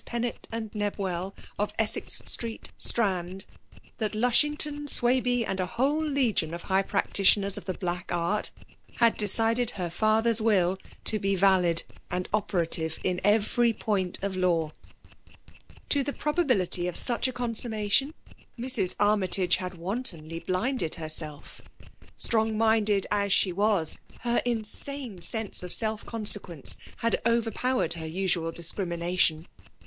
Pennett and Nebwell, of Essex Street, Strand, that LushingtoB, Swidbey, and a whole legion of high pfaistitionerB ef the black art, had decided her fiitfaer's nill la FEMALE DOMINATION. 307 b^ valid^ and operative in every point of law. To the probability of such a consummatioBi Mrs. Armjtagc had wantonly blinded herself. Strong minded as she was, her insane sense of setf consequence had overpowered her usual discrimination.